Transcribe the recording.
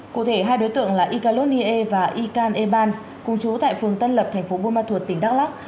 cụ thể hai đối tượng là icalot nie và ikan eban cùng chú tại phường tân lập thành phố buôn ma thuột tỉnh đắk lắc